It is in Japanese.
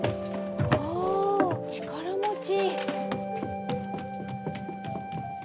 おお力持ち。